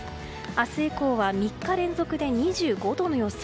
明日以降は３日連続で２５度の予想。